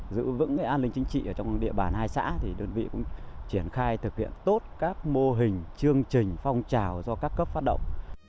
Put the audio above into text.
giữ vững an ninh chính trị ở trong địa bàn hai xã thì đơn vị cũng triển khai thực hiện tốt các mô hình chương trình phong trào do các cấp phát động